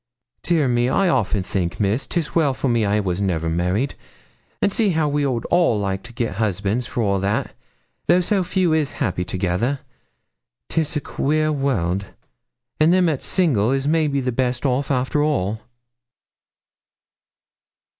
Dear me! I often think, Miss, 'tis well for me I never was married. And see how we all would like to get husbands for all that, though so few is happy together. 'Tis a queer world, and them that's single is maybe the best off after all.'